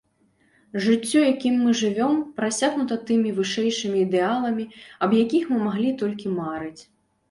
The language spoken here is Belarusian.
Жыццё, якім мы жывём, прасякнута тымі вышэйшымі ідэаламі, аб якіх мы маглі толькі марыць.